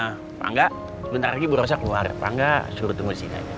nah pangga sebentar lagi berasa keluar pangga suruh tunggu sini aja